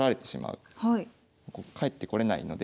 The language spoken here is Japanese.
帰ってこれないので。